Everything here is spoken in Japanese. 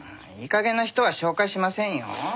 いい加減な人は紹介しませんよ。